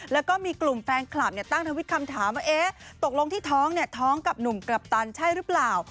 แล้วก็มีกลุ่มแฟนคลับตั้งทวิตคำถามว่าตกลงที่ท้องเนี่ยท้องท้องกับหนุ่มกัปตันใช่หรือเปล่า